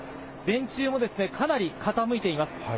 電柱もかなり傾いています。